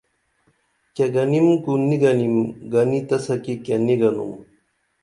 کیہ گنِم کُو نی گنِم گنی تسہ کی کیہ نی گنُم